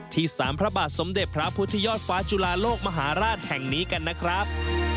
ที่สารพระบาทสมเด็จพระพุทธยอดฟ้าจุลาโลกมหาราชแห่งนี้กันนะครับ